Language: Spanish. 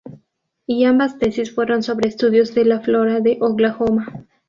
Y ambas tesis fueron sobre estudios de la flora de Oklahoma.